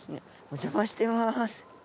お邪魔してます。